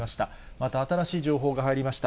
また新しい情報が入りました。